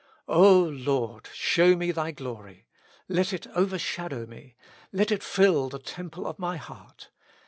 O Lord ! show me Thy glory. Let it overshadow me. Let it fill the temple of my heart.